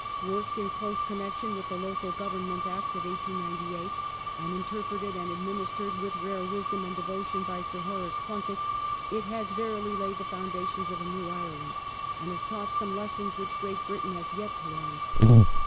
Worked in close con nection with the Local Government Act of 1898, and interpreted and administered with rare wisdom and devotion by Sir Horace Plunkett, it has verily laid the foundations of a "new Ireland," and has taught some lessons which Great Britain has yet to learn.